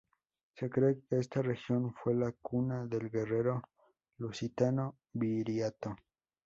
Se cree que esta región fue la cuna del guerrero lusitano Viriato.